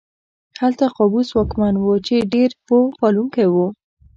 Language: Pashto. هلته قابوس واکمن و چې ډېر پوه پالونکی و.